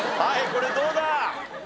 これどうだ？